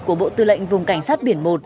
của bộ tư lệnh vùng cảnh sát biển một